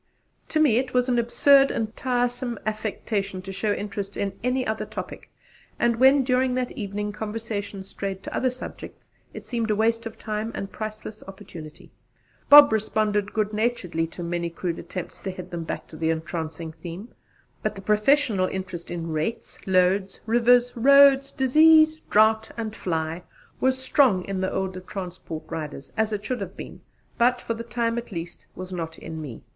To me it was an absurd and tiresome affectation to show interest in any other topic, and when, during that evening, conversation strayed to other subjects, it seemed waste of time and priceless opportunity. Bob responded good naturedly to many crude attempts to head them back to the entrancing theme, but the professional interest in rates, loads, rivers, roads, disease, drought, and 'fly,' was strong in the older transport riders, as it should have been, but, for the time at least, was not, in me.